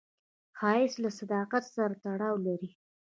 ښایست له صداقت سره تړاو لري